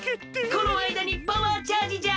このあいだにパワーチャージじゃ！